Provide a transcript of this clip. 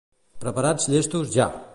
Preparats, llestos, ja!